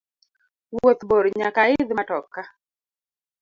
Wuoth bor nyaka aidh matoka.